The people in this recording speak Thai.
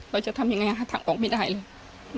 เราจะทำยังไงหาทางออกไม่ได้เลย